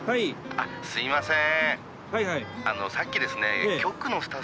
「あっすみません」